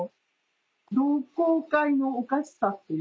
同好会のおかしさっていうの？